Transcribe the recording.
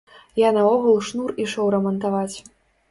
Я наогул шнур ішоў рамантаваць.